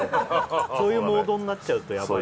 そういうモードになっちゃうとやばい。